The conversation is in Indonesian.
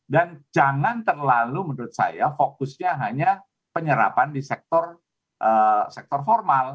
dan jangan terlalu menurut saya fokusnya hanya penyerapan di sektor formal